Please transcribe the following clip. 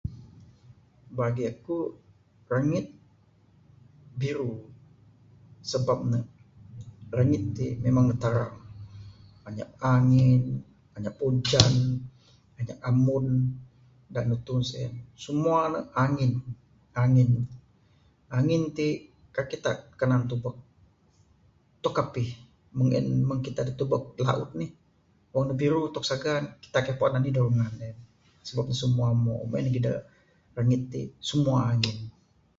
Bagi aku rangit biru sebab ne rangit ti memang ne tarang anyap angin anyap ujan anyap ambun da nutu ne sien semua ne angin. Angin, angin ti kaik Kita kanan tubek ne tok apih meng en kita da tubek laut nih wang ne biru tok sagan kita kaik puan anih da rungan en sebab ne semua umo meng en lagih da rangit ti sebab ne semua angin.